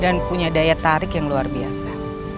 dan punya daya tarik yang luar biasa